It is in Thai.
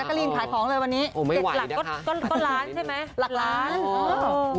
นักการีนขายของเลยวันนี้เสร็จหลักก็ล้านใช่ไหมหลักล้านโอ้โฮ